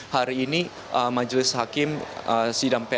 hari ini majelis hakim sidang pnr